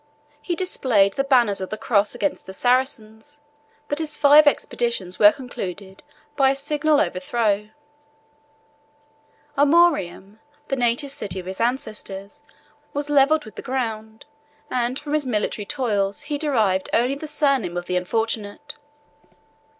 He displayed the banner of the cross against the Saracens; but his five expeditions were concluded by a signal overthrow: Amorium, the native city of his ancestors, was levelled with the ground and from his military toils he derived only the surname of the Unfortunate.